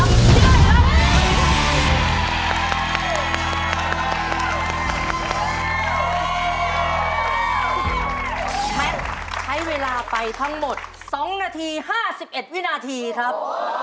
แมทใช้เวลาไปทั้งหมด๒นาที๕๑วินาทีครับ